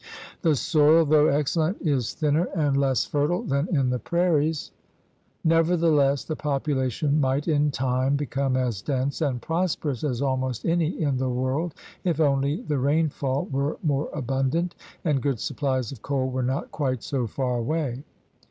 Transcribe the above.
The soil, though excellent, is thinner and less fertile than in the prairies. Nevertheless the population might in time become as dense and prosperous as almost any in the world if only the rainfall were more abundant and good supplies of coal were not quite so far away.